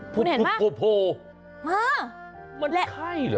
พุบโพมันใครเหรอ